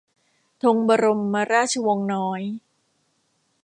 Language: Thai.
ธงบรมราชวงศ์น้อย